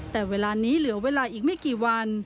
แต่เวลานี้เหลือเวลาอีกไม่กี่วัน